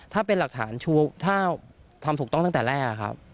ถ้าเป็นหลักฐานชูถ้าทำถูกต้องตั้งแต่แรกครับ